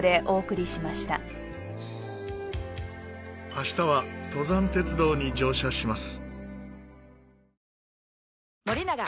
明日は登山鉄道に乗車します。